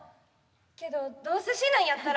けどどうせ死ぬんやったら。